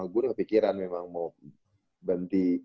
gue udah kepikiran memang mau berhenti